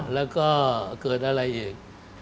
แล้วก็เกิดอะไรอีก